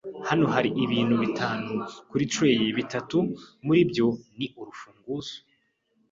Hano hari ibintu bitanu kuri tray, bitatu muri byo ni urufunguzo.